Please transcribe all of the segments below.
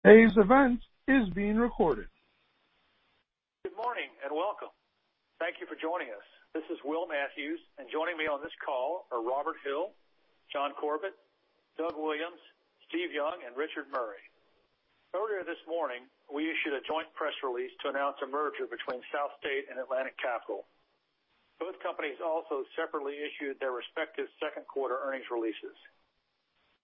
Today's event is being recorded. Good morning, and welcome. Thank you for joining us. This is Will Matthews, and joining me on this call are Robert Hill, John Corbett, Doug Williams, Steve Young, and Richard Murray. Earlier this morning, we issued a joint press release to announce a merger between SouthState and Atlantic Capital. Both companies also separately issued their respective second quarter earnings releases.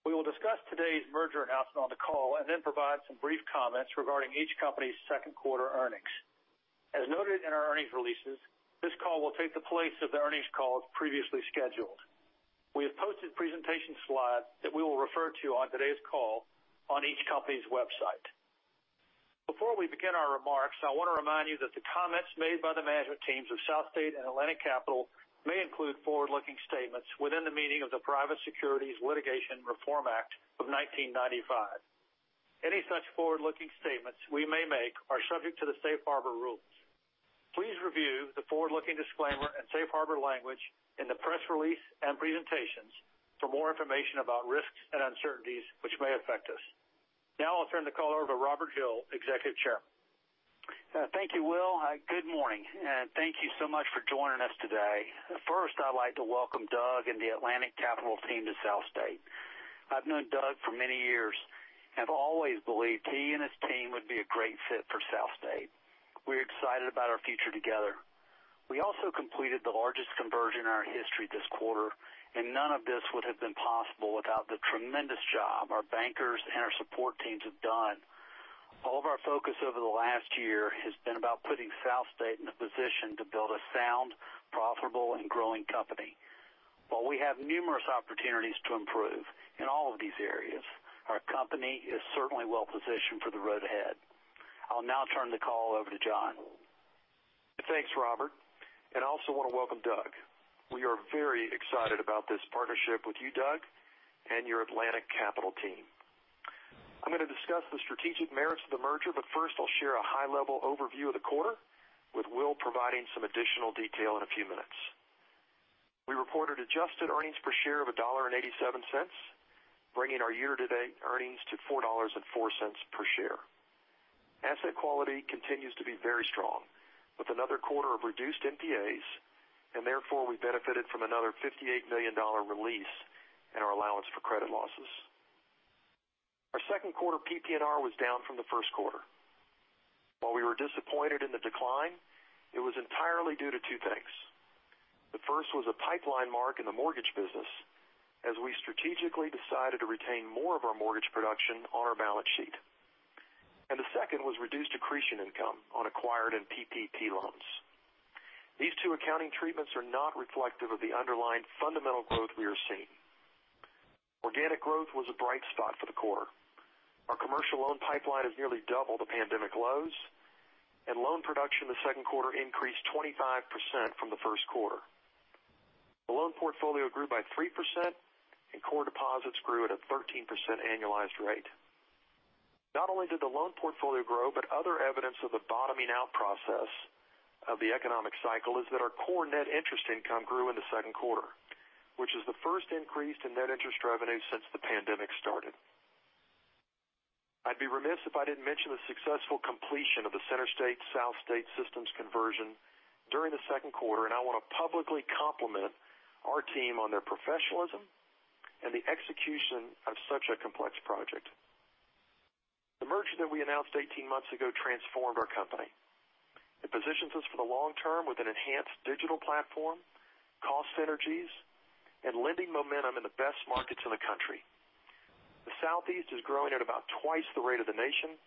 We will discuss today's merger announcement on the call and then provide some brief comments regarding each company's second quarter earnings. As noted in our earnings releases, this call will take the place of the earnings calls previously scheduled. We have posted presentation slides that we will refer to on today's call on each company's website. Before we begin our remarks, I want to remind you that the comments made by the management teams of SouthState and Atlantic Capital may include forward-looking statements within the meaning of the Private Securities Litigation Reform Act of 1995. Any such forward-looking statements we may make are subject to the safe harbor rules. Please review the forward-looking disclaimer and safe harbor language in the press release and presentations for more information about risks and uncertainties which may affect us. I'll turn the call over to Robert Hill, Executive Chair. Thank you, Will. Good morning. Thank you so much for joining us today. First, I'd like to welcome Doug and the Atlantic Capital team to SouthState. I've known Doug for many years and have always believed he and his team would be a great fit for SouthState. We're excited about our future together. We also completed the largest conversion in our history this quarter. None of this would have been possible without the tremendous job our bankers and our support teams have done. All of our focus over the last year has been about putting SouthState in the position to build a sound, profitable, and growing company. While we have numerous opportunities to improve in all of these areas, our company is certainly well-positioned for the road ahead. I'll now turn the call over to John. Thanks, Robert. I also want to welcome Doug. We are very excited about this partnership with you, Doug, and your Atlantic Capital team. I'm going to discuss the strategic merits of the merger, but first I'll share a high-level overview of the quarter, with Will providing some additional detail in a few minutes. We reported adjusted earnings per share of $1.87, bringing our year-to-date earnings to $4.04 per share. Asset quality continues to be very strong with another quarter of reduced NPAs, and therefore, we benefited from another $58 million release in our allowance for credit losses. Our second quarter PPNR was down from the first quarter. While we were disappointed in the decline, it was entirely due to two things. The first was a pipeline mark in the mortgage business as we strategically decided to retain more of our mortgage production on our balance sheet. The second was reduced accretion income on acquired and PPP loans. These two accounting treatments are not reflective of the underlying fundamental growth we are seeing. Organic growth was a bright spot for the quarter. Our commercial loan pipeline has nearly doubled the pandemic lows, and loan production in the second quarter increased 25% from the first quarter. The loan portfolio grew by 3%, and core deposits grew at a 13% annualized rate. Not only did the loan portfolio grow, but other evidence of the bottoming out process of the economic cycle is that our core net interest income grew in the second quarter, which is the first increase in net interest revenue since the pandemic started. I'd be remiss if I didn't mention the successful completion of the CenterState SouthState systems conversion during the second quarter. I want to publicly compliment our team on their professionalism and the execution of such a complex project. The merger that we announced 18 months ago transformed our company. It positions us for the long term with an enhanced digital platform, cost synergies, and lending momentum in the best markets in the country. The Southeast is growing at about twice the rate of the nation.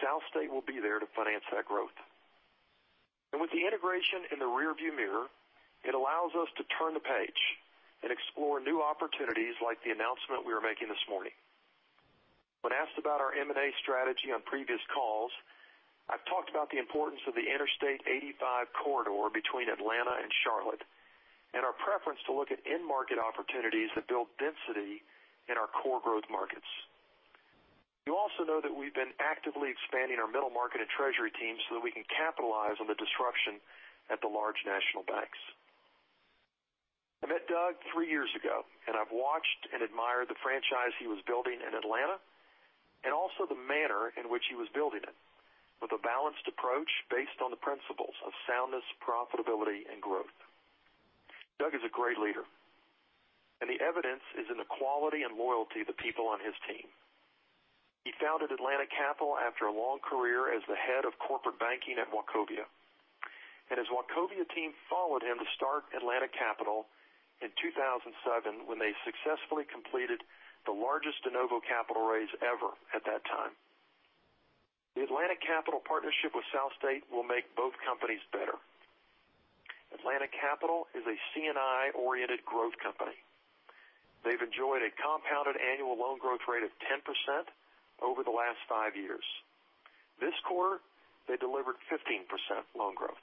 SouthState will be there to finance that growth. With the integration in the rearview mirror, it allows us to turn the page and explore new opportunities like the announcement we are making this morning. When asked about our M&A strategy on previous calls, I've talked about the importance of the Interstate 85 corridor between Atlanta and Charlotte and our preference to look at in-market opportunities that build density in our core growth markets. You also know that we've been actively expanding our middle market and treasury teams so that we can capitalize on the disruption at the large national banks. I met Doug three years ago, and I've watched and admired the franchise he was building in Atlanta and also the manner in which he was building it, with a balanced approach based on the principles of soundness, profitability, and growth. Doug is a great leader, and the evidence is in the quality and loyalty of the people on his team. He founded Atlantic Capital after a long career as the head of corporate banking at Wachovia, and his Wachovia team followed him to start Atlantic Capital in 2007 when they successfully completed the largest de novo capital raise ever at that time. The Atlantic Capital partnership with SouthState will make both companies better. Atlantic Capital is a C&I-oriented growth company. They've enjoyed a compounded annual loan growth rate of 10% over the last five years. This quarter, they delivered 15% loan growth.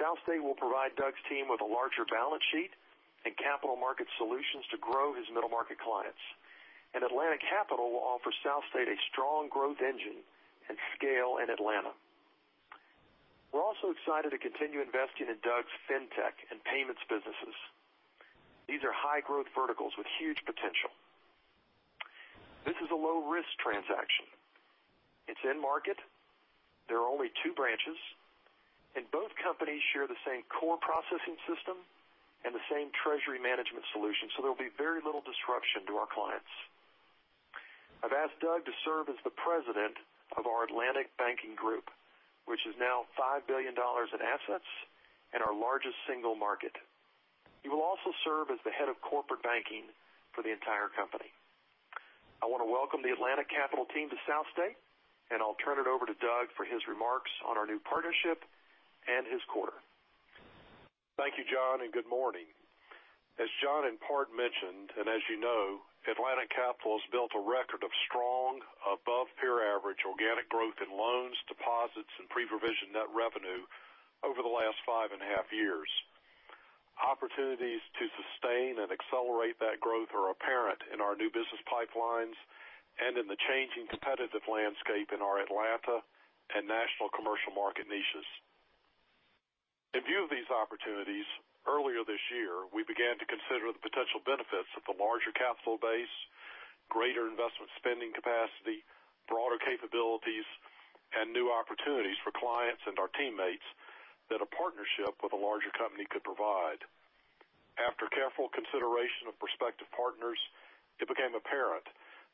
SouthState will provide Doug's team with a larger balance sheet and capital market solutions to grow his middle market clients. Atlantic Capital will offer SouthState a strong growth engine and scale in Atlanta. Excited to continue investing in Doug's fintech and payments businesses. These are high growth verticals with huge potential. This is a low risk transaction. It's in market, there are only 2 branches, and both companies share the same core processing system and the same treasury management solution, so there will be very little disruption to our clients. I've asked Doug to serve as the President of our Atlantic Banking Group, which is now $5 billion in assets and our largest single market. He will also serve as the head of corporate banking for the entire company. I want to welcome the Atlantic Capital team to SouthState, and I will turn it over to Doug for his remarks on our new partnership and his quarter. Thank you, John, and good morning. As John in part mentioned, and as you know, Atlantic Capital has built a record of strong, above peer average organic growth in loans, deposits, and pre-provision net revenue over the last five and a half years. Opportunities to sustain and accelerate that growth are apparent in our new business pipelines and in the changing competitive landscape in our Atlanta and national commercial market niches. In view of these opportunities, earlier this year, we began to consider the potential benefits of the larger capital base, greater investment spending capacity, broader capabilities, and new opportunities for clients and our teammates that a partnership with a larger company could provide. After careful consideration of prospective partners, it became apparent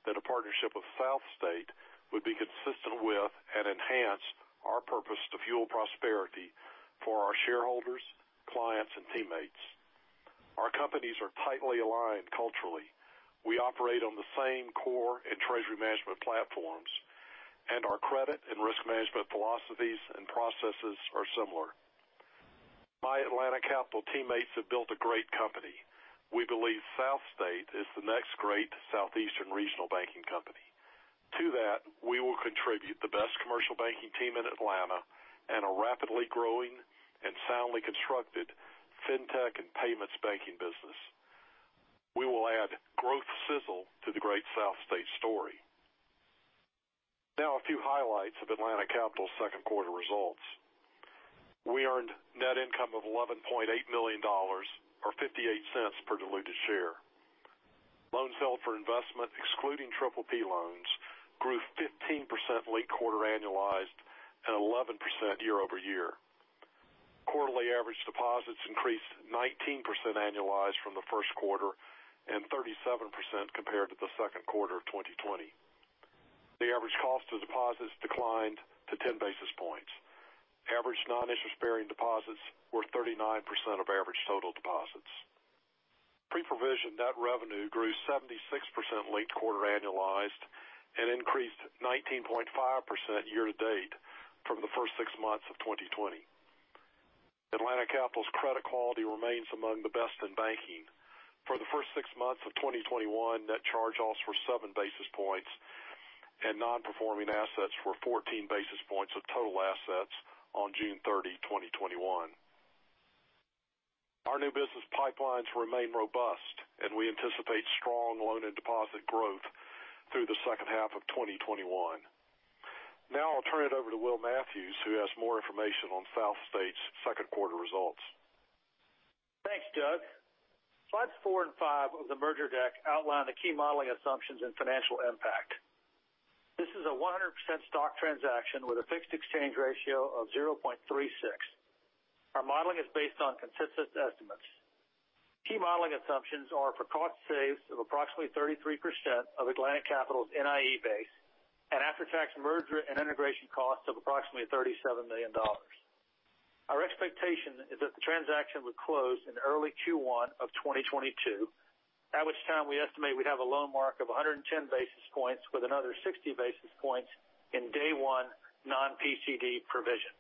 that a partnership with SouthState would be consistent with and enhance our purpose to fuel prosperity for our shareholders, clients, and teammates. Our companies are tightly aligned culturally. We operate on the same core and treasury management platforms, and our credit and risk management philosophies and processes are similar. My Atlantic Capital teammates have built a great company. We believe SouthState is the next great southeastern regional banking company. To that, we will contribute the best commercial banking team in Atlanta and a rapidly growing and soundly constructed fintech and payments banking business. We will add growth sizzle to the great SouthState story. A few highlights of Atlantic Capital's second quarter results. We earned net income of $11.8 million, or $0.58 per diluted share. Loans held for investment, excluding PPP loans, grew 15% linked quarter annualized and 11% year-over-year. Quarterly average deposits increased 19% annualized from the first quarter and 37% compared to the second quarter of 2020. The average cost of deposits declined to 10 basis points. Average non-interest-bearing deposits were 39% of average total deposits. Pre-provision net revenue grew 76% linked quarter annualized and increased 19.5% year to date from the first six months of 2020. Atlantic Capital's credit quality remains among the best in banking. For the first six months of 2021, net charge-offs were 7 basis points, and non-performing assets were 14 basis points of total assets on June 30, 2021. Our new business pipelines remain robust, and we anticipate strong loan and deposit growth through the second half of 2021. Now I'll turn it over to Will Matthews, who has more information on SouthState's second quarter results. Thanks, Doug. Slides 4 and 5 of the merger deck outline the key modeling assumptions and financial impact. This is a 100% stock transaction with a fixed exchange ratio of 0.36. Our modeling is based on consistent estimates. Key modeling assumptions are for cost saves of approximately 33% of Atlantic Capital's NIE base and after-tax merger and integration costs of approximately $37 million. Our expectation is that the transaction would close in early Q1 of 2022, at which time we estimate we'd have a loan mark of 110 basis points with another 60 basis points in day one non-PCD provision.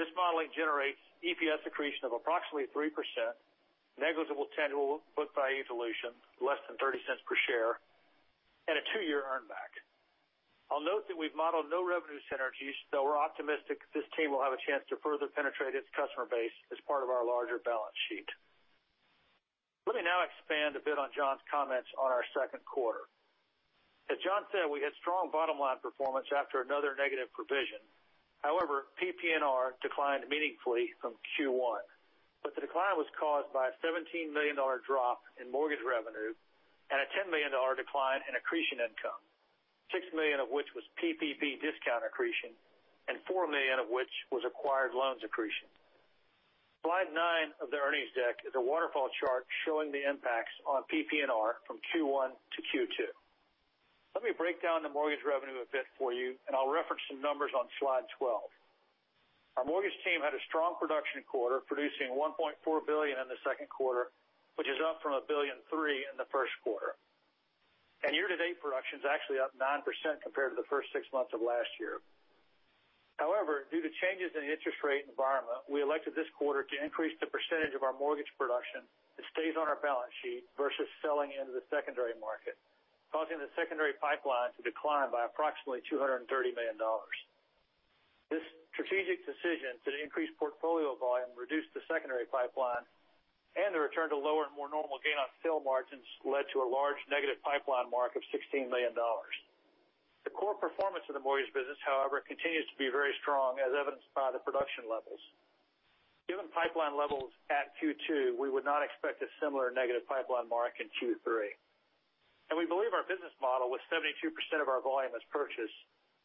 This modeling generates EPS accretion of approximately 3%, negligible tangible book value dilution, less than $0.30 per share, and a 2-year earn back. I'll note that we've modeled no revenue synergies, though we're optimistic this team will have a chance to further penetrate its customer base as part of our larger balance sheet. Let me now expand a bit on John's comments on our second quarter. As John said, we had strong bottom line performance after another negative provision. PPNR declined meaningfully from Q1. The decline was caused by a $17 million drop in mortgage revenue and a $10 million decline in accretion income, $6 million of which was PPP discount accretion and $4 million of which was acquired loans accretion. Slide 9 of the earnings deck is a waterfall chart showing the impacts on PPNR from Q1 to Q2. Let me break down the mortgage revenue a bit for you, and I'll reference some numbers on slide 12. Our mortgage team had a strong production quarter, producing $1.4 billion in the second quarter, which is up from $1.3 billion in the first quarter. Year to date production is actually up 9% compared to the first six months of last year. However, due to changes in the interest rate environment, we elected this quarter to increase the percentage of our mortgage production that stays on our balance sheet versus selling into the secondary market, causing the secondary pipeline to decline by approximately $230 million. This strategic decision to increase portfolio volume reduced the secondary pipeline and the return to lower and more normal gain on sale margins led to a large negative pipeline mark of $16 million. The core performance of the mortgage business, however, continues to be very strong as evidenced by the production levels. Given pipeline levels at Q2, we would not expect a similar negative pipeline mark in Q3. We believe our business model, with 72% of our volume as purchase,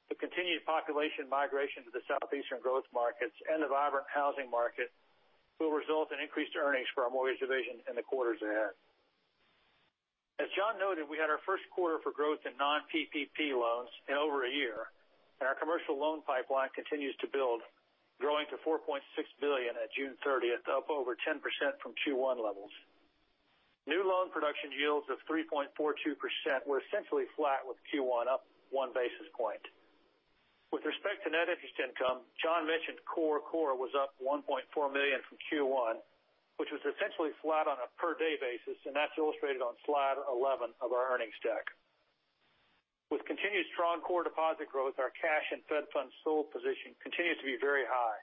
the continued population migration to the southeastern growth markets, and the vibrant housing market will result in increased earnings for our mortgage division in the quarters ahead. As John noted, we had our first quarter for growth in non-PPP loans in over a year, and our commercial loan pipeline continues to build, growing to $4.6 billion at June 30th, up over 10% from Q1 levels. New loan production yields of 3.42% were essentially flat with Q1, up one basis point. With respect to net interest income, John mentioned core was up $1.4 million from Q1, which was essentially flat on a per-day basis, and that's illustrated on slide 11 of our earnings deck. With continued strong core deposit growth, our cash and Fed funds sold position continues to be very high,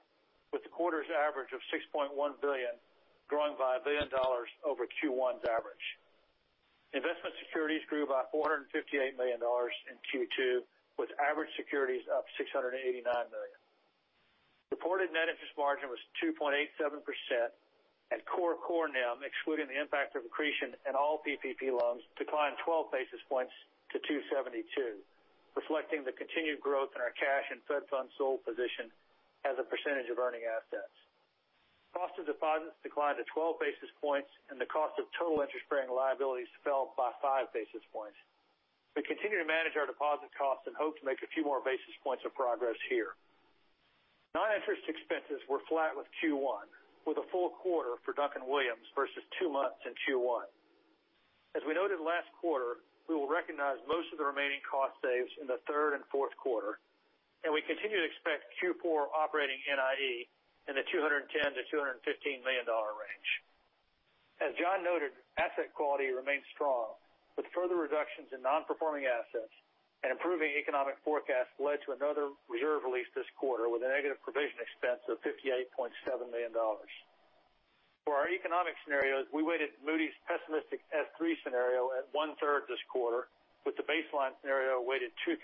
with the quarter's average of $6.1 billion growing by $1 billion over Q1's average. Investment securities grew by $458 million in Q2 with average securities up $689 million. Reported net interest margin was 2.87%, and core core NIM, excluding the impact of accretion and all PPP loans, declined 12 basis points to 272, reflecting the continued growth in our cash and Fed funds sold position as a percentage of earning assets. Cost of deposits declined to 12 basis points and the cost of total interest-bearing liabilities fell by 5 basis points. We continue to manage our deposit costs and hope to make a few more basis points of progress here. Non-interest expenses were flat with Q1 with a full quarter for Duncan-Williams, Inc. versus 2 months in Q1. As we noted last quarter, we will recognize most of the remaining cost saves in the 3rd and 4th quarter, and we continue to expect Q4 operating NIE in the $210 million-$215 million range. As John noted, asset quality remains strong with further reductions in non-Performing Assets and improving economic forecasts led to another reserve release this quarter with a negative provision expense of $58.7 million. For our economic scenarios, we weighted Moody's pessimistic S3 scenario at 1/3 this quarter with the baseline scenario weighted 2/3.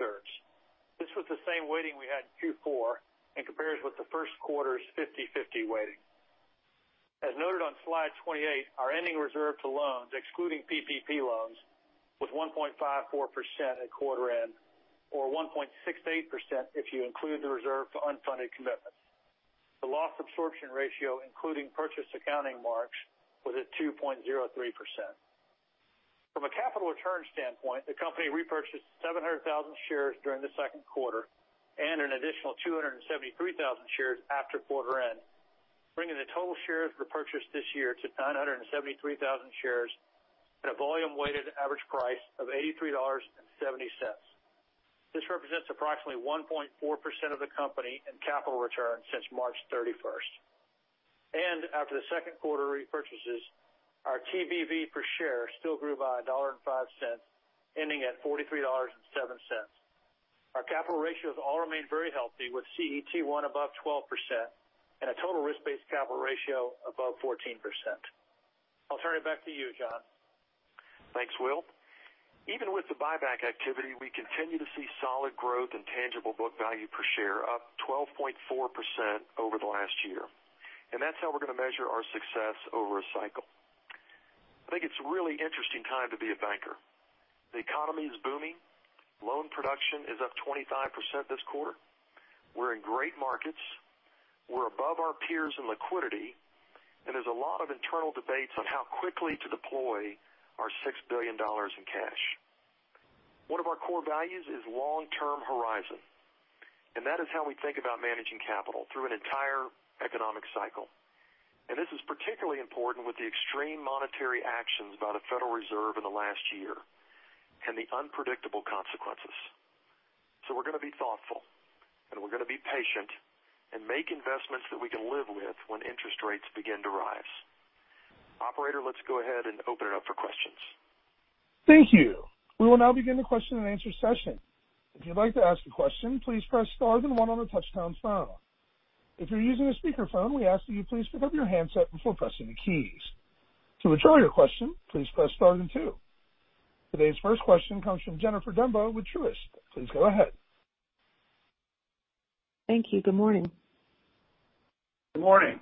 This was the same weighting we had in Q4 and compares with the 1st quarter's 50/50 weighting. As noted on slide 28, our ending reserve to loans, excluding PPP loans, was 1.54% at quarter end or 1.68% if you include the reserve for unfunded commitments. The loss absorption ratio including purchase accounting marks was at 2.03%. From a capital return standpoint, the company repurchased 700,000 shares during the second quarter and an additional 273,000 shares after quarter end, bringing the total shares repurchased this year to 973,000 shares at a volume-weighted average price of $83.70. This represents approximately 1.4% of the company in capital return since March 31st. After the second quarter repurchases, our TBV per share still grew by $1.05, ending at $43.07. Our capital ratios all remain very healthy with CET1 above 12% and a total risk-based capital ratio above 14%. I'll turn it back to you, John. Thanks, Will. Even with the buyback activity, we continue to see solid growth and tangible book value per share up 12.4% over the last year. That's how we're going to measure our success over a cycle. I think it's a really interesting time to be a banker. The economy is booming. Loan production is up 25% this quarter. We're in great markets. We're above our peers in liquidity, and there's a lot of internal debates on how quickly to deploy our $6 billion in cash. One of our core values is long-term horizon, and that is how we think about managing capital through an entire economic cycle. This is particularly important with the extreme monetary actions by the Federal Reserve in the last year and the unpredictable consequences. We're going to be thoughtful, and we're going to be patient and make investments that we can live with when interest rates begin to rise. Operator, let's go ahead and open it up for questions. Thank you. We will now begin the question and answer session. If you'd like to ask a question, please press star then one on the touch-tone phone. If you're using a speakerphone, we ask that you please pick up your handset before pressing the keys. To withdraw your question, please press star then two. Today's first question comes from Jennifer Demba with Truist. Please go ahead. Thank you. Good morning. Good morning.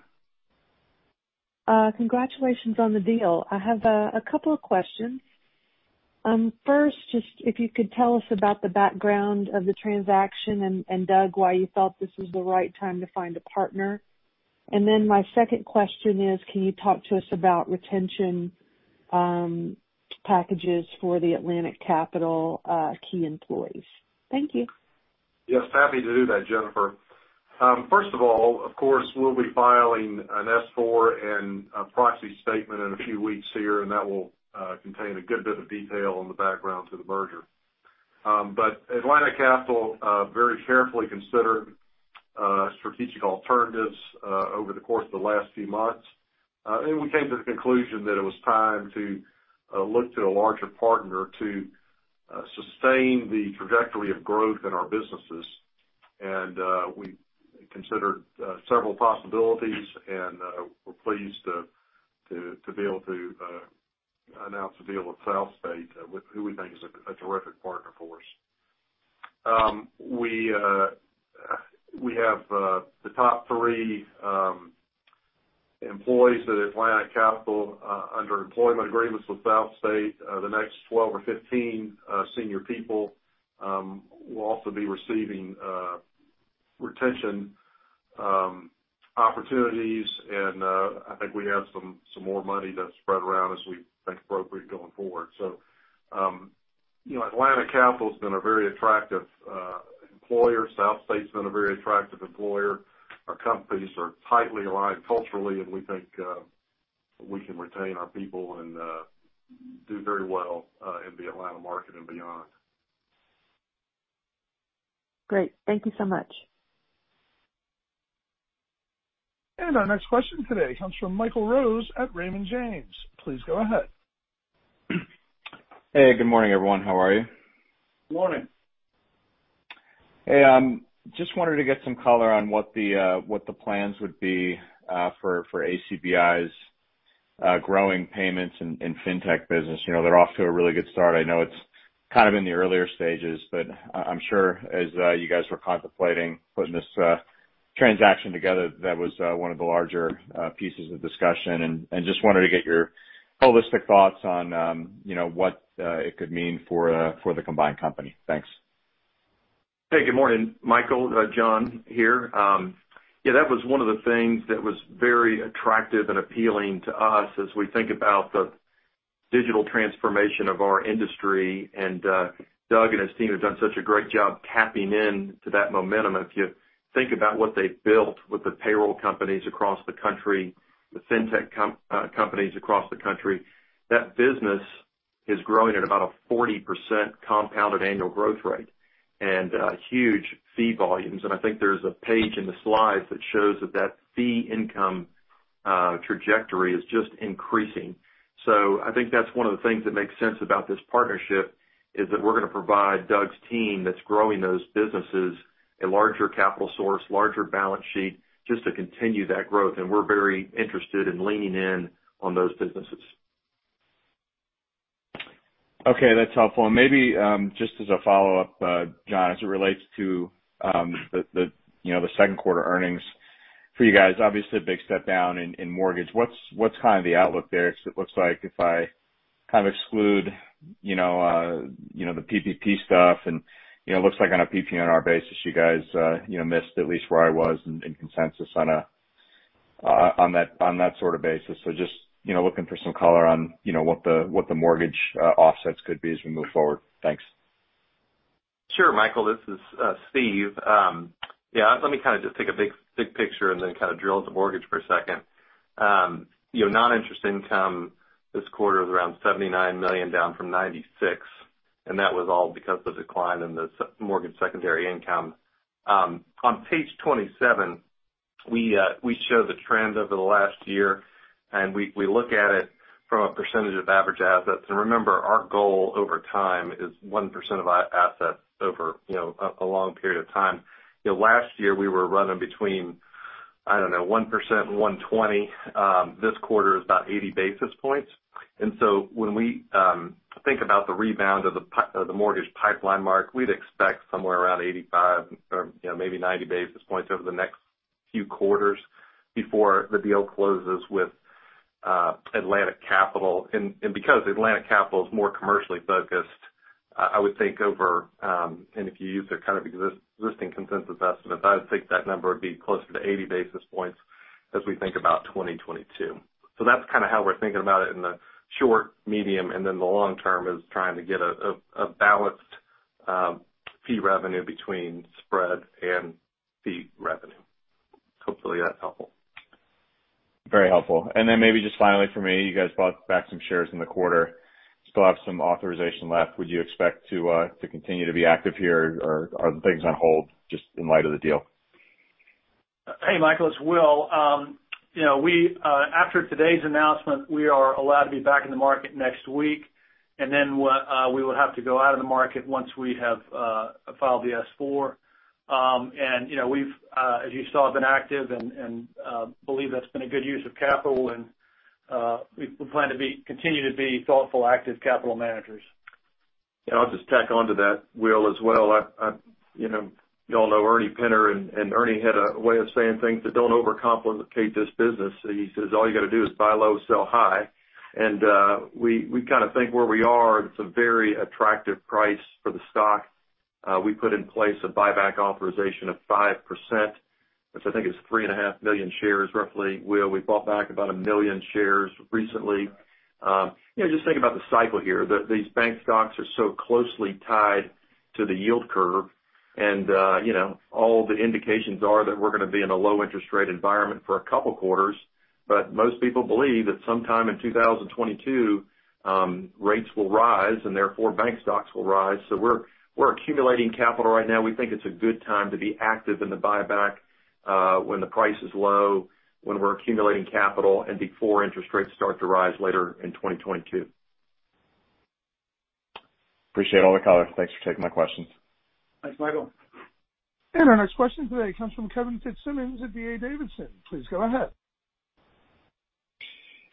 Congratulations on the deal. I have a couple of questions. First, just if you could tell us about the background of the transaction and, Doug, why you thought this was the right time to find a partner. My second question is, can you talk to us about retention packages for the Atlantic Capital key employees? Thank you. Yes, happy to do that, Jennifer. First of all, of course, we'll be filing an S-4 and a proxy statement in a few weeks here. That will contain a good bit of detail on the background to the merger. Atlantic Capital very carefully considered strategic alternatives over the course of the last few months. We came to the conclusion that it was time to look to a larger partner to sustain the trajectory of growth in our businesses. We considered several possibilities, and we're pleased to be able to announce the deal with SouthState, who we think is a terrific partner for us. We have the top three employees at Atlantic Capital under employment agreements with SouthState. The next 12 or 15 senior people will also be receiving retention opportunities. I think we have some more money to spread around as we think appropriate going forward. Atlantic Capital has been a very attractive employer. SouthState's been a very attractive employer. Our companies are tightly aligned culturally. We think we can retain our people and do very well in the Atlanta market and beyond. Great. Thank you so much. Our next question today comes from Michael Rose at Raymond James. Please go ahead. Hey, good morning, everyone. How are you? Good morning. Hey, just wanted to get some color on what the plans would be for ACBI's growing payments and fintech business. They're off to a really good start. I know it's kind of in the earlier stages, but I'm sure as you guys were contemplating putting this transaction together, that was one of the larger pieces of discussion. Just wanted to get your holistic thoughts on what it could mean for the combined company. Thanks. Good morning, Michael. John here. That was one of the things that was very attractive and appealing to us as we think about the digital transformation of our industry. Doug and his team have done such a great job tapping into that momentum. If you think about what they've built with the payroll companies across the country, the fintech companies across the country, that business is growing at about a 40% compounded annual growth rate and huge fee volumes. I think there's a page in the slides that shows that fee income trajectory is just increasing. I think that's one of the things that makes sense about this partnership is that we're going to provide Doug's team that's growing those businesses a larger capital source, larger balance sheet, just to continue that growth. We're very interested in leaning in on those businesses. Okay, that's helpful. Maybe just as a follow-up, John, as it relates to the second quarter earnings for you guys, obviously a big step down in mortgage. What's kind of the outlook there? It looks like if I kind of exclude the PPP stuff and it looks like on a PPNR basis, you guys missed at least where I was in consensus on that sort of basis. Just looking for some color on what the mortgage offsets could be as we move forward. Thanks. Sure, Michael, this is Steve. Let me kind of just take a big picture and then kind of drill into mortgage for a second. Non-interest income this quarter is $79 million, down from $96 million. That was all because of decline in the mortgage secondary income. On page 27, we show the trend over the last year. We look at it from a percentage of average assets. Remember, our goal over time is 1% of our assets over a long period of time. Last year, we were running between, I don't know, 1% and 120 basis points. This quarter is about 80 basis points. When we think about the rebound of the mortgage pipeline mark, we'd expect somewhere around 85 or maybe 90 basis points over the next few quarters before the deal closes with Atlantic Capital. Because Atlantic Capital is more commercially focused, I would think and if you use their kind of existing consensus estimates, I would think that number would be closer to 80 basis points as we think about 2022. That's kind of how we're thinking about it in the short, medium, and then the long term is trying to get a balanced fee revenue between spread and fee revenue. Hopefully, that's helpful. Very helpful. Then maybe just finally from me, you guys bought back some shares in the quarter. Still have some authorization left. Would you expect to continue to be active here, or are things on hold just in light of the deal? Hey, Michael, it's Will. After today's announcement, we are allowed to be back in the market next week, and then we will have to go out of the market once we have filed the S4. We've, as you saw, been active and believe that's been a good use of capital, and we plan to continue to be thoughtful, active capital managers. Yeah, I'll just tack onto that, Will Matthews, as well. You all know Ernest Pinner. Ernie had a way of saying things that don't overcomplicate this business. He says all you got to do is buy low, sell high. We kind of think where we are, it's a very attractive price for the stock. We put in place a buyback authorization of 5%, which I think is 3.5 million shares roughly. Will Matthews, we bought back about 1 million shares recently. Just think about the cycle here. These bank stocks are so closely tied to the yield curve. All the indications are that we're going to be in a low interest rate environment for a couple quarters. Most people believe that sometime in 2022, rates will rise and therefore bank stocks will rise. We're accumulating capital right now. We think it's a good time to be active in the buyback when the price is low, when we're accumulating capital, and before interest rates start to rise later in 2022. Appreciate all the color. Thanks for taking my questions. Thanks, Michael. Our next question today comes from Kevin Fitzsimmons at D.A. Davidson. Please go ahead.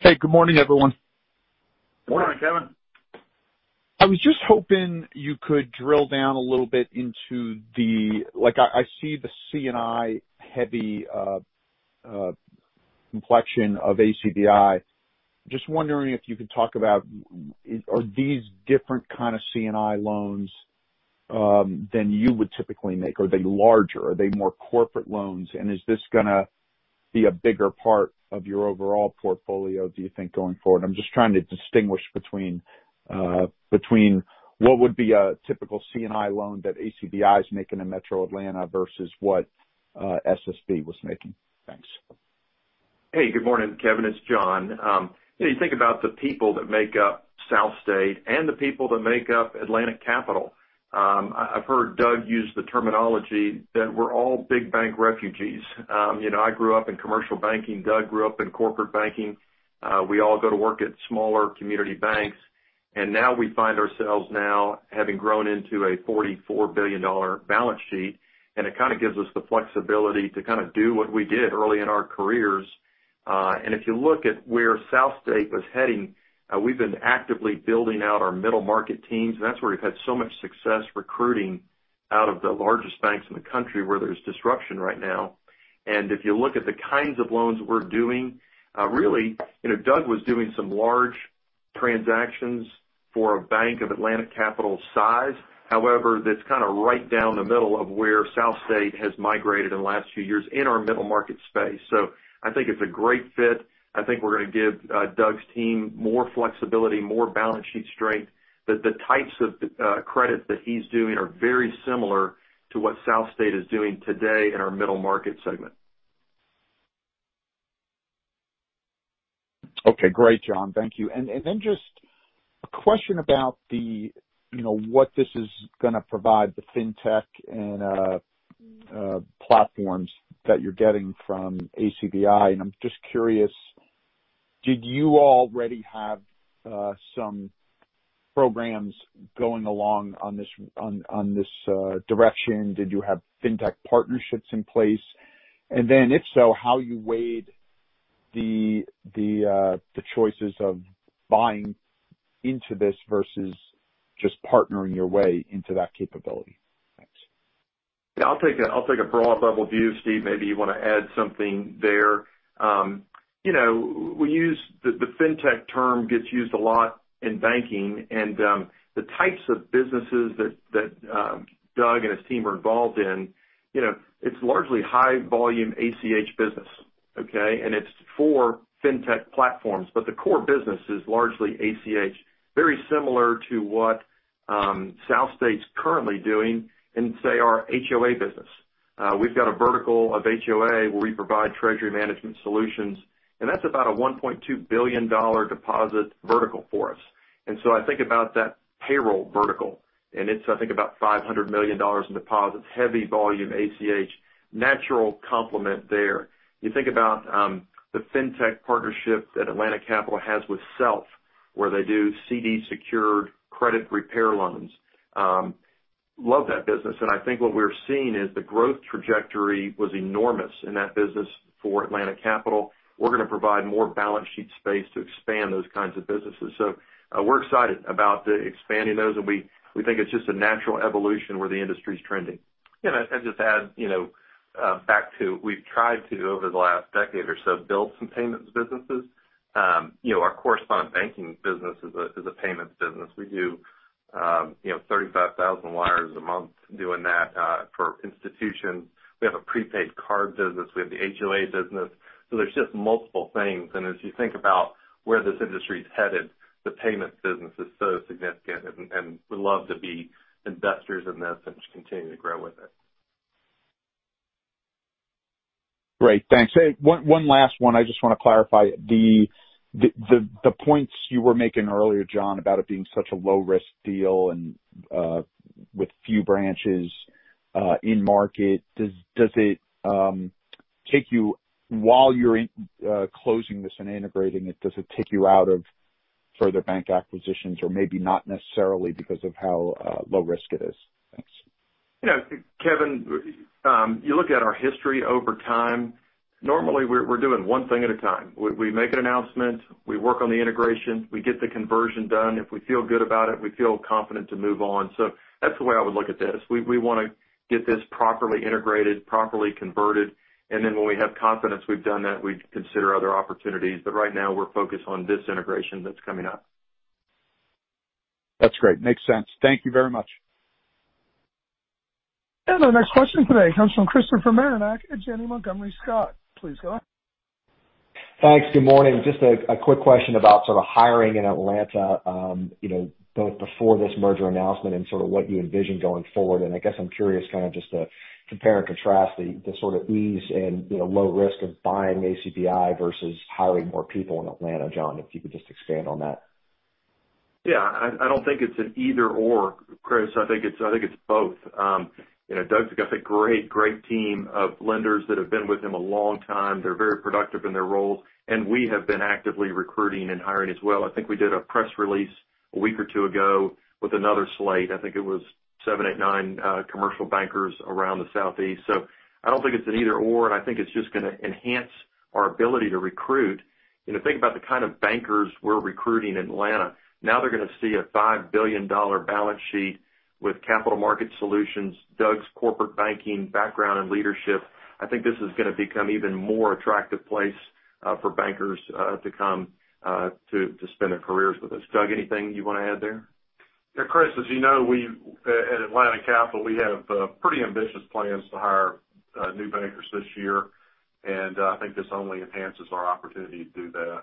Hey, good morning, everyone. Morning, Kevin. I was just hoping you could drill down a little bit into the. I see the C&I heavy complexion of ACBI. Just wondering if you could talk about, are these different kind of C&I loans than you would typically make? Are they larger? Are they more corporate loans? Is this going to be a bigger part of your overall portfolio, do you think, going forward? I'm just trying to distinguish between what would be a typical C&I loan that ACBI is making in Metro Atlanta versus what SSB was making. Thanks. Hey, good morning, Kevin, it's John. You think about the people that make up SouthState and the people that make up Atlantic Capital. I've heard Doug use the terminology that we're all big bank refugees. I grew up in commercial banking. Doug grew up in corporate banking. We all go to work at smaller community banks, now we find ourselves now having grown into a $44 billion balance sheet. It kind of gives us the flexibility to do what we did early in our careers. If you look at where SouthState was heading, we've been actively building out our middle market teams. That's where we've had so much success recruiting out of the largest banks in the country where there's disruption right now. If you look at the kinds of loans we're doing, really, Doug was doing some large transactions for a bank of Atlantic Capital size. However, that's kind of right down the middle of where SouthState has migrated in the last few years in our middle market space. I think it's a great fit. I think we're going to give Doug's team more flexibility, more balance sheet strength, that the types of credit that he's doing are very similar to what SouthState is doing today in our middle market segment. Okay. Great, John. Thank you. Just a question about what this is going to provide the fintech and platforms that you're getting from ACBI. I'm just curious, did you already have some programs going along on this direction? Did you have fintech partnerships in place? If so, how you weighed the choices of buying into this versus just partnering your way into that capability? Thanks. Yeah, I'll take a broad level view, Steve. Maybe you want to add something there. The fintech term gets used a lot in banking and the types of businesses that Doug and his team are involved in, it's largely high volume ACH business, okay? It's for fintech platforms, but the core business is largely ACH, very similar to what SouthState's currently doing in, say, our HOA business. We've got a vertical of HOA where we provide treasury management solutions, that's about a $1.2 billion deposit vertical for us. I think about that payroll vertical, and it's, I think, about $500 million in deposits, heavy volume ACH, natural complement there. You think about the fintech partnership that Atlantic Capital has with Self, where they do CD-secured credit repair loans. Love that business. I think what we're seeing is the growth trajectory was enormous in that business for Atlantic Capital. We're going to provide more balance sheet space to expand those kinds of businesses. We're excited about expanding those. We think it's just a natural evolution where the industry is trending. I'd just add back to, we've tried to, over the last decade or so, build some payments businesses. Our correspondent banking business is a payments business. We do 35,000 wires a month doing that for institutions. We have a prepaid card business. We have the HOA business. There's just multiple things. As you think about where this industry is headed, the payments business is so significant and we love to be investors in this and just continue to grow with it. Great. Thanks. Hey, one last one. I just want to clarify the points you were making earlier, John, about it being such a low risk deal and with few branches in market. While you're closing this and integrating it, does it take you out of further bank acquisitions or maybe not necessarily because of how low risk it is? Thanks. Kevin, you look at our history over time. Normally, we're doing one thing at a time. We make an announcement, we work on the integration, we get the conversion done. If we feel good about it, we feel confident to move on. That's the way I would look at this. We want to get this properly integrated, properly converted, and then when we have confidence we've done that, we'd consider other opportunities. Right now we're focused on this integration that's coming up. That's great. Makes sense. Thank you very much. Our next question today comes from Christopher Marinac at Janney Montgomery Scott. Please go ahead. Thanks. Good morning. Just a quick question about sort of hiring in Atlanta both before this merger announcement and sort of what you envision going forward. I guess I'm curious kind of just to compare and contrast the sort of ease and low risk of buying ACBI versus hiring more people in Atlanta, John, if you could just expand on that. I don't think it's an either/or, Chris. I think it's both. Doug's got a great team of lenders that have been with him a long time. They're very productive in their roles, and we have been actively recruiting and hiring as well. I think we did a press release a week or 2 ago with another slate. I think it was 7, 8, 9 commercial bankers around the Southeast. I don't think it's an either/or, and I think it's just going to enhance our ability to recruit. Think about the kind of bankers we're recruiting in Atlanta. Now they're going to see a $5 billion balance sheet with capital market solutions, Doug's corporate banking background and leadership. I think this is going to become even more attractive place for bankers to come to spend their careers with us. Doug, anything you want to add there? Chris, as you know, at Atlantic Capital, we have pretty ambitious plans to hire new bankers this year, and I think this only enhances our opportunity to do that.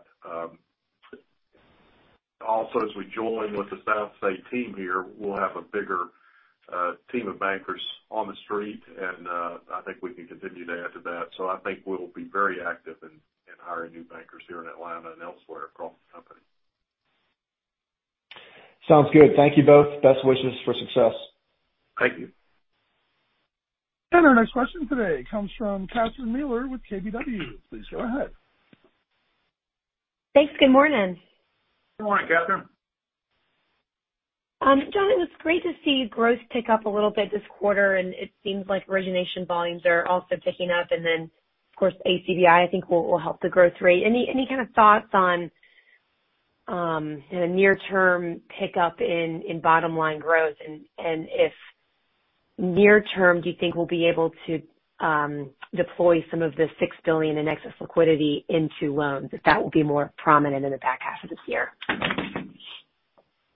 Also, as we join with the SouthState team here, we'll have a bigger team of bankers on the street, and I think we can continue to add to that. I think we'll be very active in hiring new bankers here in Atlanta and elsewhere across the company. Sounds good. Thank you both. Best wishes for success. Thank you. Our next question today comes from Catherine Mealor with KBW. Please go ahead. Thanks. Good morning. Good morning, Catherine. John, it was great to see growth pick up a little bit this quarter. It seems like origination volumes are also ticking up. Then, of course, ACBI, I think will help the growth rate. Any kind of thoughts on a near-term pickup in bottom-line growth? If near-term, do you think we'll be able to deploy some of the $6 billion in excess liquidity into loans, if that will be more prominent in the back half of this year?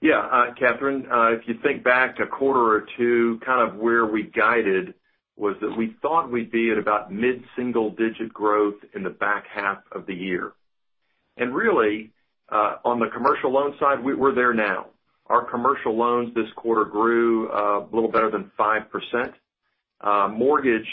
Yeah, Catherine, if you think back a quarter or two, kind of where we guided was that we thought we'd be at about mid-single-digit growth in the back half of the year. Really, on the commercial loan side, we're there now. Our commercial loans this quarter grew a little better than 5%. Mortgage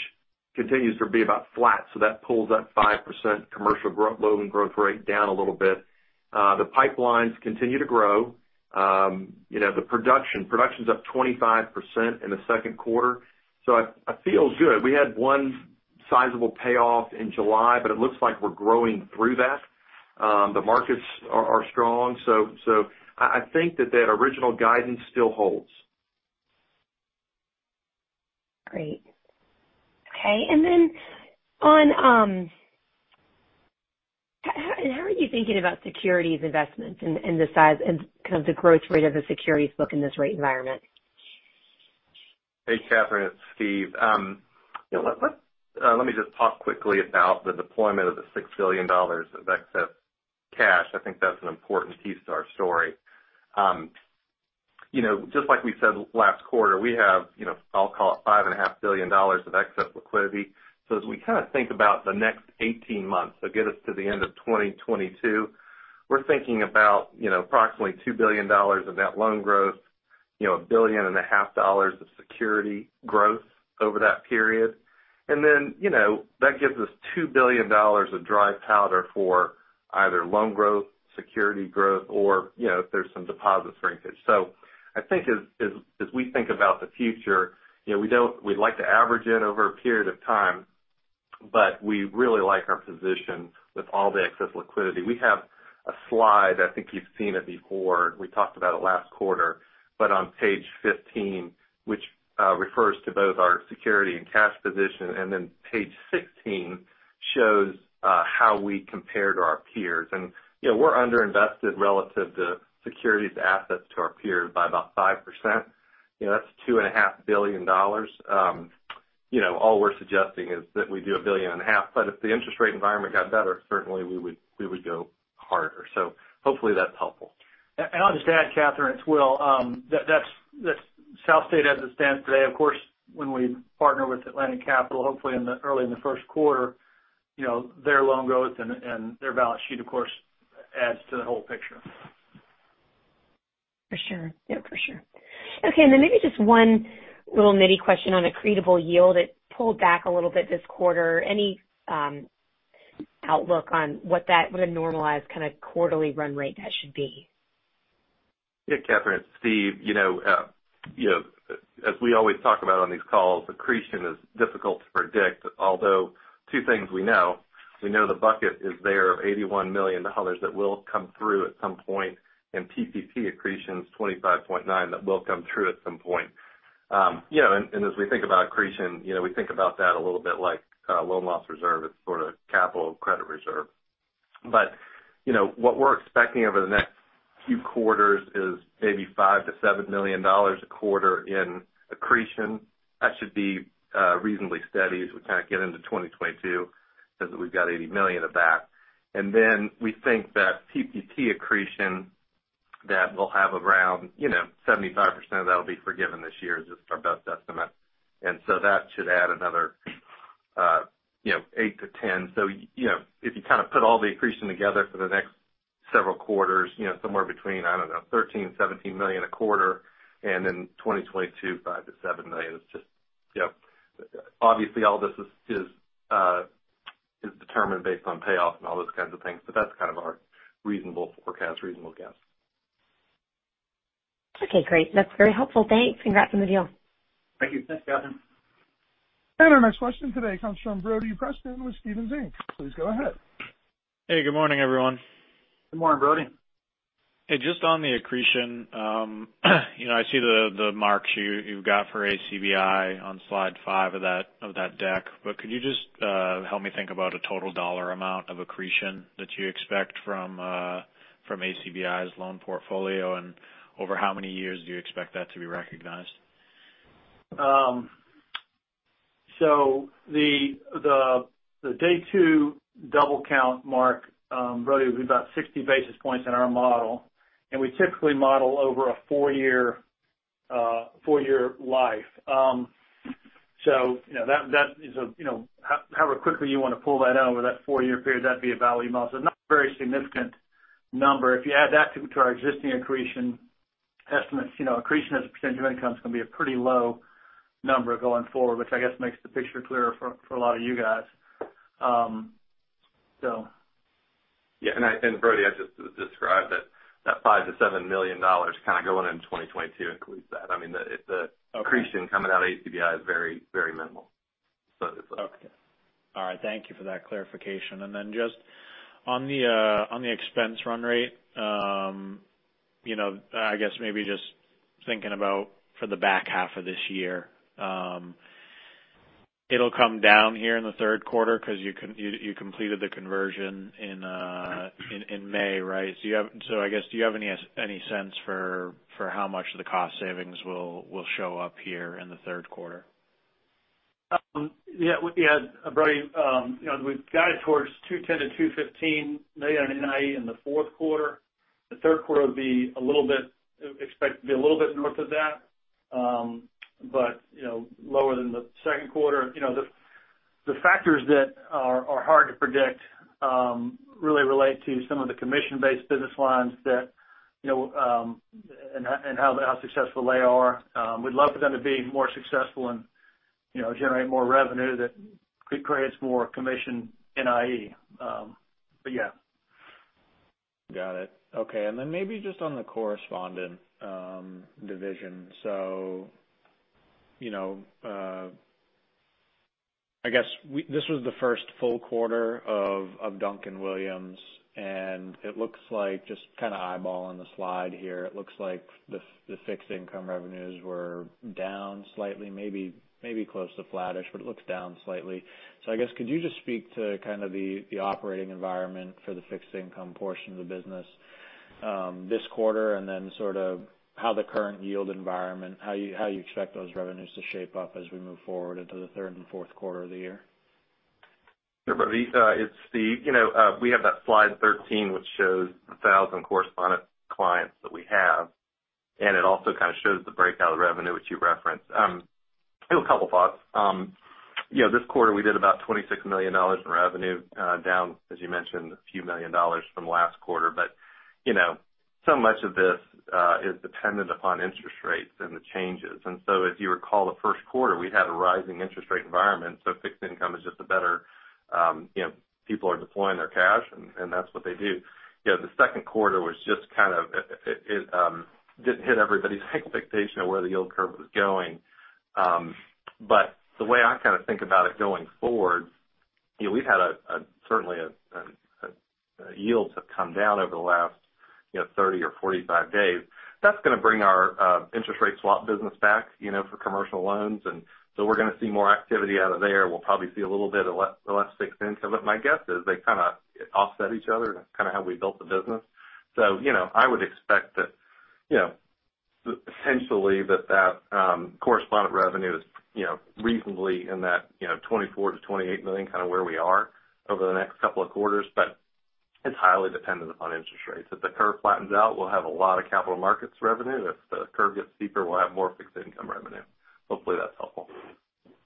continues to be about flat, so that pulls up 5% commercial loan growth rate down a little bit. The pipelines continue to grow. The production's up 25% in the second quarter, so I feel good. We had one sizable payoff in July, but it looks like we're growing through that. The markets are strong. I think that that original guidance still holds. Great. Okay. How are you thinking about securities investments and the size and kind of the growth rate of the securities book in this rate environment? Hey, Catherine, it's Steve. Let me just talk quickly about the deployment of the $6 billion of excess cash. I think that's an important piece to our story. Just like we said last quarter, we have, I'll call it $5.5 billion of excess liquidity. As we kind of think about the next 18 months, get us to the end of 2022, we're thinking about approximately $2 billion of that loan growth, $1.5 billion of security growth over that period. That gives us $2 billion of dry powder for either loan growth, security growth, or if there's some deposit shrinkage. I think as we think about the future, we'd like to average it over a period of time, but we really like our position with all the excess liquidity. We have a slide, I think you've seen it before. We talked about it last quarter, but on page 15, which refers to both our security and cash position, and then page 16 shows how we compare to our peers. We're under-invested relative to securities assets to our peers by about 5%. That's $2.5 billion. All we're suggesting is that we do $1.5 billion. If the interest rate environment got better, certainly we would go harder. Hopefully that's helpful. I'll just add, Catherine, it's Will Matthews, that's SouthState as it stands today. Of course, when we partner with Atlantic Capital, hopefully early in the first quarter, their loan growth and their balance sheet, of course, adds to the whole picture. For sure. Yeah, for sure. Okay, maybe just one little nitty question on accretable yield. It pulled back a little bit this quarter. Any outlook on what a normalized kind of quarterly run rate that should be? Yeah, Catherine, it's Steve. As we always talk about on these calls, accretion is difficult to predict. Although two things we know. We know the bucket is there of $81 million that will come through at some point, and PCD accretion's $25.9 that will come through at some point. As we think about accretion, we think about that a little bit like a loan loss reserve. It's sort of capital credit reserve. What we're expecting over the next few quarters is maybe $5 million-$7 million a quarter in accretion. That should be reasonably steady as we kind of get into 2022, because we've got $80 million of that. We think that PPP accretion that we'll have around 75% of that will be forgiven this year is just our best estimate. That should add another $8 million-$10 million. If you kind of put all the accretion together for the next several quarters, somewhere between, I don't know, $13 million-$17 million a quarter, and then 2022, $5 million-$7 million. Obviously, all this is. Is determined based on payoff and all those kinds of things, but that's kind of our reasonable forecast, reasonable guess. Okay, great. That's very helpful. Thanks. Congrats on the deal. Thank you. Our next question today comes from Brody Preston with Stephens Inc. Please go ahead. Hey, good morning, everyone. Good morning, Brody. Hey, just on the accretion. I see the marks you've got for ACBI on slide 5 of that deck. Could you just help me think about a total dollar amount of accretion that you expect from ACBI's loan portfolio, and over how many years do you expect that to be recognized? The day 2 double count mark, Brody, would be about 60 basis points in our model, and we typically model over a four-year life. However quickly you want to pull that out over that four-year period, that'd be a value amount. Not a very significant number. If you add that to our existing accretion estimates, accretion as a percentage of income is going to be a pretty low number going forward, which I guess makes the picture clearer for a lot of you guys. Brody, I just described that $5 million-$7 million kind of going into 2022 includes that. The accretion coming out of ACBI is very minimal. Okay. All right. Thank you for that clarification. Just on the expense run rate, I guess maybe just thinking about for the back half of this year. It'll come down here in the third quarter because you completed the conversion in May, right? I guess, do you have any sense for how much the cost savings will show up here in the third quarter? Yeah, Brody, we've guided towards $210 to $215 million in NIE in the fourth quarter. The third quarter would expect to be a little bit north of that. Lower than the second quarter. The factors that are hard to predict really relate to some of the commission-based business lines and how successful they are. We'd love for them to be more successful and generate more revenue that creates more commission NIE. Yeah. Got it. Okay, maybe just on the correspondent division. I guess, this was the 1st full quarter of Duncan-Williams, Inc., and it looks like, just kind of eyeballing the slide here, it looks like the fixed income revenues were down slightly, maybe close to flattish, but it looks down slightly. I guess, could you just speak to kind of the operating environment for the fixed income portion of the business this quarter, and then sort of how the current yield environment, how you expect those revenues to shape up as we move forward into the 3rd and 4th quarter of the year? Sure, Brody. We have that slide 13, which shows the 1,000 correspondent clients that we have. It also kind of shows the breakout of revenue, which you referenced. A couple thoughts. This quarter, we did about $26 million in revenue, down, as you mentioned, a few million dollars from last quarter. So much of this is dependent upon interest rates and the changes. If you recall the first quarter, we'd had a rising interest rate environment, fixed income is just a better. People are deploying their cash, and that's what they do. The second quarter didn't hit everybody's expectation of where the yield curve was going. The way I kind of think about it going forward, certainly yields have come down over the last 30 or 45 days. That's going to bring our interest rate swap business back for commercial loans, and so we're going to see more activity out of there. We'll probably see a little bit of less fixed income, but my guess is they kind of offset each other. That's kind of how we built the business. I would expect that essentially that correspondent revenue is reasonably in that $24 million-$28 million, kind of where we are over the next couple of quarters, but it's highly dependent upon interest rates. If the curve flattens out, we'll have a lot of capital markets revenue. If the curve gets steeper, we'll have more fixed income revenue. Hopefully, that's helpful.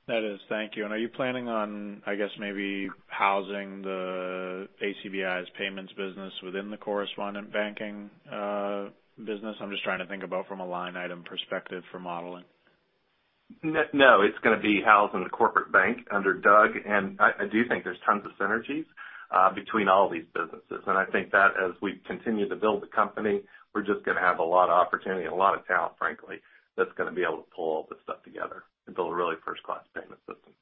That is. Thank you. Are you planning on, I guess maybe housing the ACBI's payments business within the correspondent banking business? I'm just trying to think about from a line item perspective for modeling. No. It's going to be housed in the corporate bank under Doug, and I do think there's tons of synergies between all these businesses. I think that as we continue to build the company, we're just going to have a lot of opportunity and a lot of talent, frankly, that's going to be able to pull all this stuff together and build a really first-class payment system.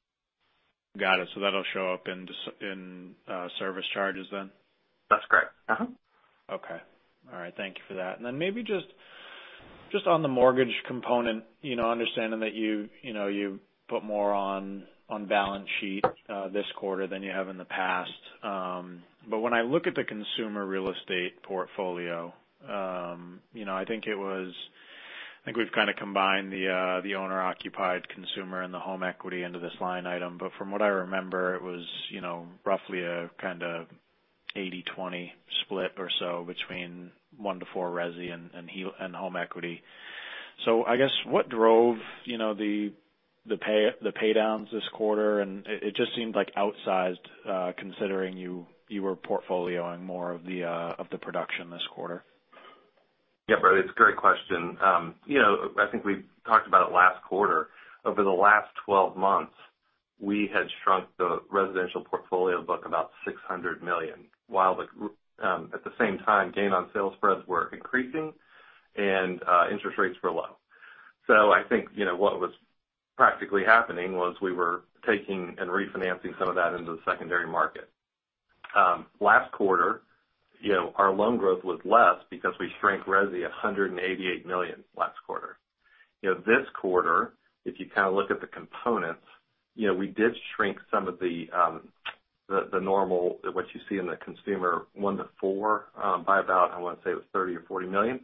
Got it. That'll show up in service charges then? That's correct. Okay. All right. Thank you for that. Maybe just on the mortgage component, understanding that you put more on balance sheet this quarter than you have in the past. When I look at the consumer real estate portfolio, I think we've kind of combined the owner-occupied consumer and the home equity into this line item. From what I remember, it was roughly a kind of 80/20 split or so between 1 to 4 resi and home equity. I guess, what drove the paydowns this quarter? It just seemed outsized, considering you were portfolioing more of the production this quarter. Yeah, Brody Preston, it's a great question. I think we talked about it last quarter. Over the last 12 months, we had shrunk the residential portfolio book about $600 million, while at the same time, gain on sales spreads were increasing and interest rates were low. I think what was practically happening was we were taking and refinancing some of that into the secondary market. Last quarter, our loan growth was less because we shrank resi $188 million last quarter. This quarter, if you look at the components, we did shrink some of the normal, what you see in the consumer 1 to 4, by about, I want to say it was $30 million or $40 million.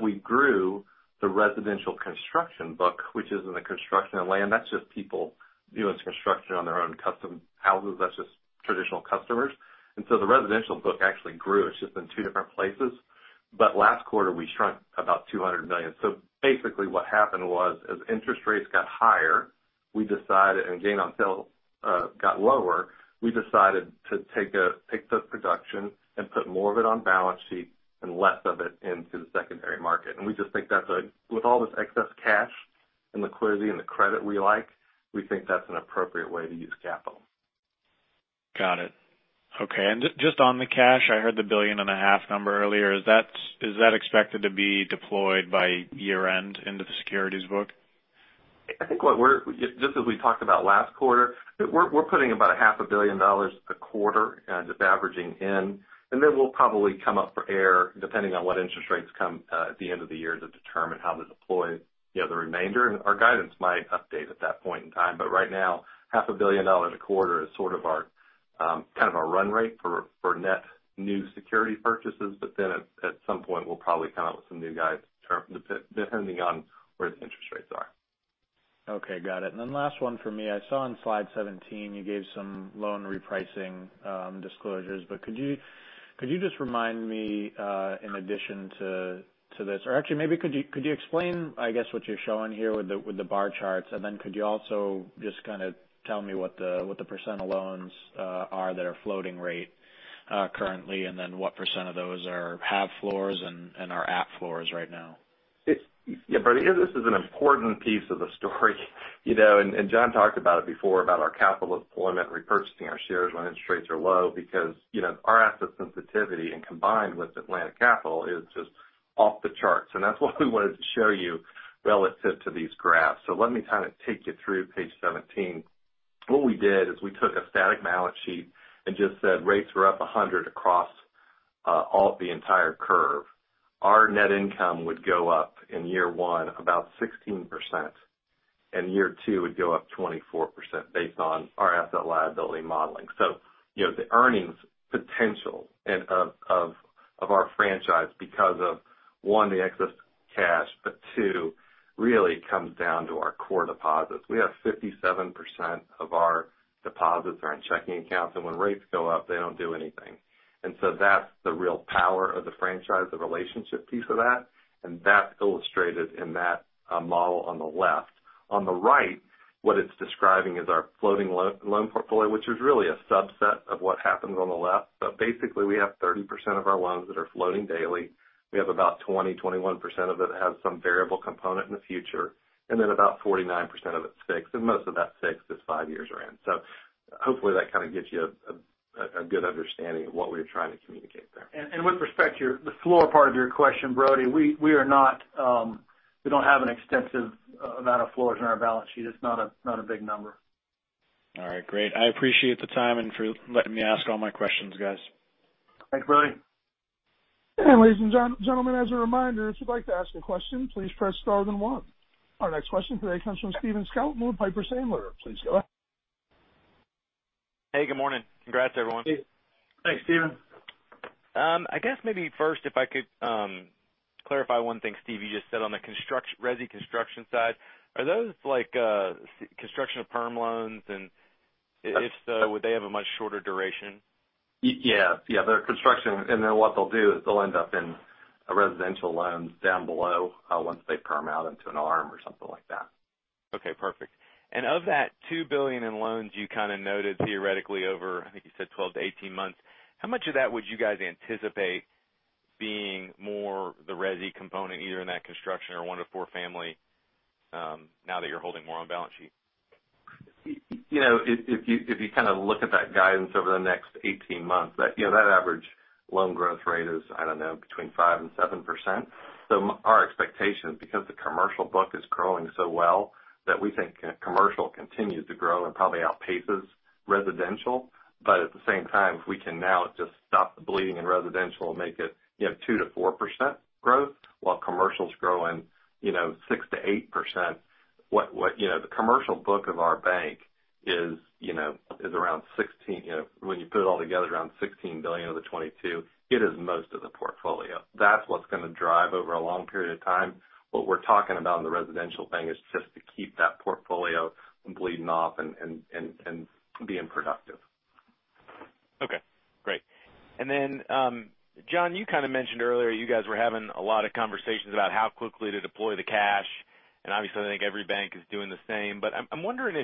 We grew the residential construction book, which is in the construction and land. That's just people doing some construction on their own custom houses. That's just traditional customers. The residential book actually grew. It's just in two different places. Last quarter, we shrunk about $200 million. Basically what happened was, as interest rates got higher, and gain on sales got lower, we decided to take the production and put more of it on balance sheet and less of it into the secondary market. We just think with all this excess cash and liquidity and the credit we like, we think that's an appropriate way to use capital. Got it. Okay, just on the cash, I heard the $1.5 billion number earlier. Is that expected to be deployed by year-end into the securities book? I think just as we talked about last quarter, we're putting about a half a billion dollars a quarter, just averaging in. We'll probably come up for air depending on what interest rates come at the end of the year to determine how to deploy the remainder. Our guidance might update at that point in time. Right now, half a billion dollars a quarter is sort of our run rate for net new security purchases. At some point, we'll probably come out with some new guidance depending on where the interest rates are. Okay. Got it. Last one for me. I saw on slide 17 you gave some loan repricing disclosures, but could you just remind me, in addition to or actually, maybe could you explain, I guess, what you're showing here with the bar charts, and then could you also just kind of tell me what the % of loans are that are floating rate currently, and then what % of those are have floors and are at floors right now? Yeah, Brody, this is an important piece of the story. John talked about it before about our capital deployment, repurchasing our shares when interest rates are low because our asset sensitivity and combined with Atlantic Capital is just off the charts. That's what we wanted to show you relative to these graphs. Let me kind of take you through page 17. What we did is we took a static balance sheet and just said rates were up 100 across all the entire curve. Our net income would go up in year 1 about 16%, and year 2 would go up 24% based on our asset liability modeling. The earnings potential of our franchise because of, 1, the excess cash, but 2, really comes down to our core deposits. We have 57% of our deposits are in checking accounts, and when rates go up, they don't do anything. That's the real power of the franchise, the relationship piece of that, and that's illustrated in that model on the left. On the right, what it's describing is our floating loan portfolio, which is really a subset of what happens on the left. Basically, we have 30% of our loans that are floating daily. We have about 20%, 21% of it has some variable component in the future, and then about 49% of it's fixed. Most of that's fixed is five years around. Hopefully that kind of gives you a good understanding of what we're trying to communicate there. With respect to the floor part of your question, Brody, we don't have an extensive amount of floors on our balance sheet. It's not a big number. All right, great. I appreciate the time and for letting me ask all my questions, guys. Thanks, Brody. ladies and gentlemen, as a reminder, if you'd like to ask a question, please press star then 1. Our next question today comes from Stephen Scouten with Piper Sandler. Please go ahead. Hey, good morning. Congrats, everyone. Thanks, Stephen. I guess maybe first, if I could clarify one thing, Steve, you just said on the resi construction side. Are those like construction-to-perm loans? If so, would they have a much shorter duration? Yeah. They're construction, and then what they'll do is they'll end up in residential loans down below once they perm out into an ARM or something like that. Okay, perfect. Of that $2 billion in loans you kind of noted theoretically over, I think you said 12 to 18 months, how much of that would you guys anticipate being more the resi component, either in that construction or 1 to 4 family now that you're holding more on balance sheet? If you kind of look at that guidance over the next 18 months, that average loan growth rate is, I don't know, between 5%-7%. Our expectation is because the commercial book is growing so well that we think commercial continues to grow and probably outpaces residential. At the same time, if we can now just stop the bleeding in residential and make it 2%-4% growth while commercial's growing 6%-8%, the commercial book of our bank is around $16 billion of the $22 billion. It is most of the portfolio. That's what's going to drive over a long period of time. What we're talking about in the residential bank is just to keep that portfolio from bleeding off and being productive. Okay, great. John, you kind of mentioned earlier you guys were having a lot of conversations about how quickly to deploy the cash, and obviously, I think every bank is doing the same. I'm wondering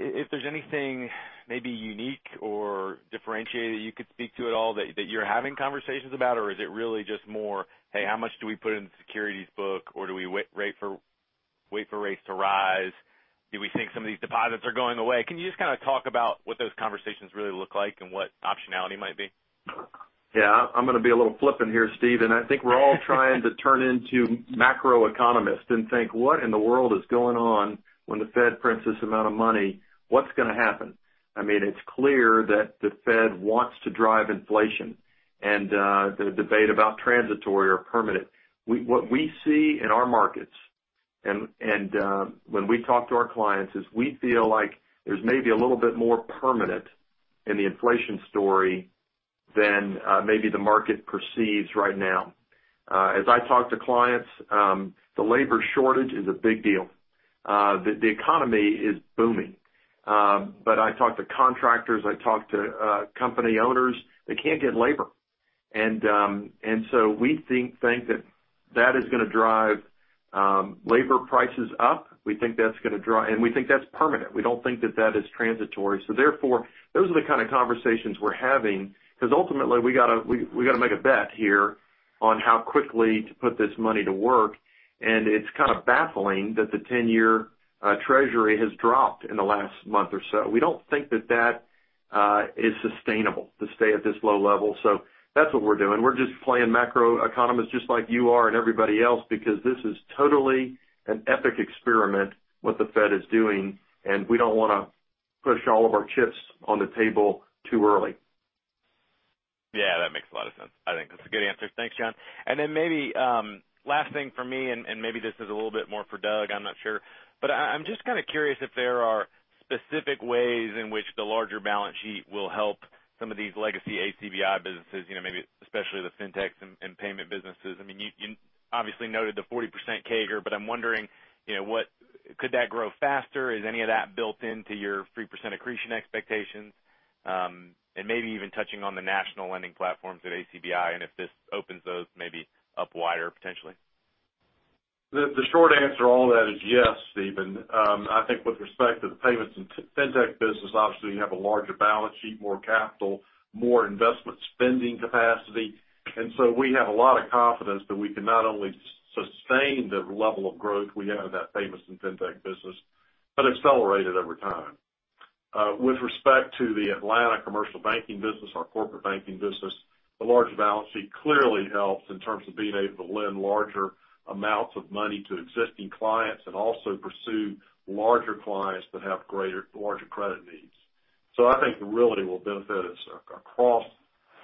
If there's anything maybe unique or differentiated you could speak to at all that you're having conversations about, or is it really just more, "Hey, how much do we put in the securities book?" Or, "Do we wait for rates to rise? Do we think some of these deposits are going away?" Can you just kind of talk about what those conversations really look like and what optionality might be? Yeah. I'm going to be a little flippant here, Steve. I think we're all trying to turn into macroeconomists and think, "What in the world is going on when the Fed prints this amount of money? What's going to happen?" It's clear that the Fed wants to drive inflation and the debate about transitory or permanent. What we see in our markets and when we talk to our clients is we feel like there's maybe a little bit more permanent in the inflation story than maybe the market perceives right now. As I talk to clients, the labor shortage is a big deal. The economy is booming. I talk to contractors, I talk to company owners, they can't get labor. We think that is going to drive labor prices up. We think that's permanent. We don't think that is transitory. Those are the kind of conversations we're having, because ultimately, we got to make a bet here on how quickly to put this money to work. It's kind of baffling that the 10-year Treasury has dropped in the last month or so. We don't think that is sustainable to stay at this low level. That's what we're doing. We're just playing macroeconomists just like you are and everybody else because this is totally an epic experiment, what the Fed is doing, and we don't want to push all of our chips on the table too early. Yeah, that makes a lot of sense. I think that's a good answer. Thanks, John. Maybe last thing from me, and maybe this is a little bit more for Doug, I'm not sure, I'm just kind of curious if there are specific ways in which the larger balance sheet will help some of these legacy ACBI businesses, maybe especially the fintechs and payment businesses. You obviously noted the 40% CAGR, I'm wondering, could that grow faster? Is any of that built into your 3% accretion expectations? Maybe even touching on the national lending platforms at ACBI and if this opens those maybe up wider potentially. The short answer to all that is yes, Stephen Scouten. I think with respect to the payments and fintech business, obviously, you have a larger balance sheet, more capital, more investment spending capacity. We have a lot of confidence that we can not only sustain the level of growth we have in that payments and fintech business, but accelerate it over time. With respect to the Atlanta Commercial Banking business, our corporate banking business, the larger balance sheet clearly helps in terms of being able to lend larger amounts of money to existing clients and also pursue larger clients that have larger credit needs. I think the reality will benefit us across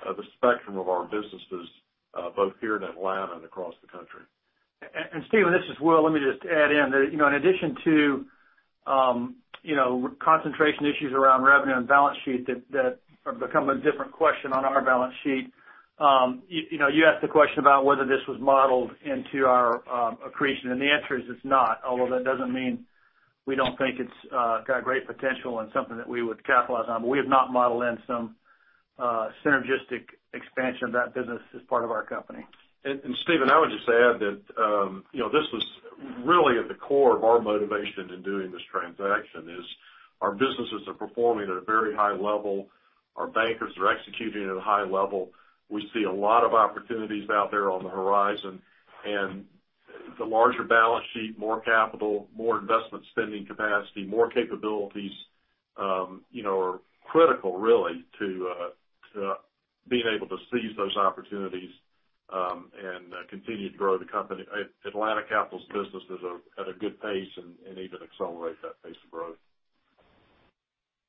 the spectrum of our businesses both here in Atlanta and across the country. Stephen, this is Will. Let me just add in. In addition to concentration issues around revenue and balance sheet that have become a different question on our balance sheet. You asked the question about whether this was modeled into our accretion, and the answer is it's not, although that doesn't mean we don't think it's got great potential and something that we would capitalize on. We have not modeled in some synergistic expansion of that business as part of our company. Stephen, I would just add that this was really at the core of our motivation in doing this transaction is our businesses are performing at a very high level. Our bankers are executing at a high level. We see a lot of opportunities out there on the horizon. The larger balance sheet, more capital, more investment spending capacity, more capabilities are critical, really, to being able to seize those opportunities and continue to grow the company. Atlantic Capital's business is at a good pace and even accelerate that pace of growth.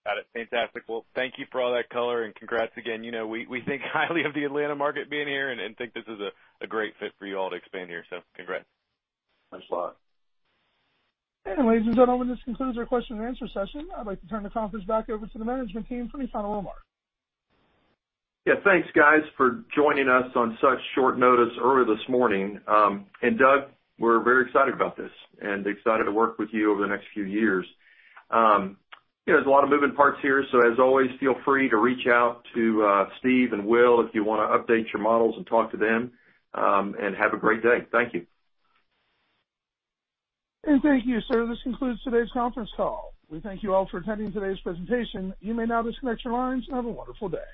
Got it. Fantastic. Thank you for all that color and congrats again. We think highly of the Atlanta market being here and think this is a great fit for you all to expand here. Congrats. Thanks a lot. Ladies and gentlemen, this concludes our question and answer session. I'd like to turn the conference back over to the management team for any final remarks. Yeah. Thanks, guys, for joining us on such short notice early this morning. Doug, we're very excited about this and excited to work with you over the next few years. There's a lot of moving parts here, as always, feel free to reach out to Steve and Will if you want to update your models and talk to them. Have a great day. Thank you. Thank you, sir. This concludes today's conference call. We thank you all for attending today's presentation. You may now disconnect your lines and have a wonderful day.